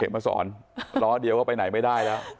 มาสอนล้อเดียวก็ไปไหนไม่ได้แล้ว